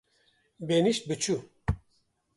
Benîşt biçû